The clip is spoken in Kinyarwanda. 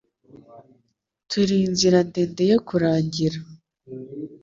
Turi inzira ndende yo kurangira.